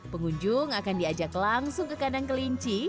pengunjung akan diajak langsung ke kandang kelinci